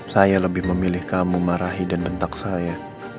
saya lebih memilih kamu marahi dan bentak saya